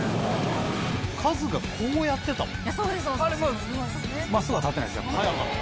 カズがこうやってたもん。